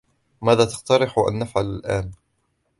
ماذا تقترحْ أن نفعل الآن؟